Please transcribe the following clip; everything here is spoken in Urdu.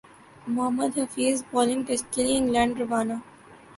محمد حفیظ بالنگ ٹیسٹ کیلئے انگلینڈ روانہ